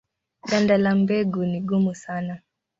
Ganda la mbegu ni gumu sana.